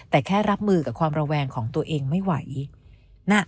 แต่แค่รับมือกับความระแวงของตัวเองไม่ไหวนะ